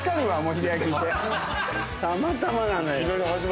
たまたまなのよ。